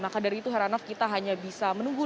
maka dari itu heranov kita hanya bisa menunggu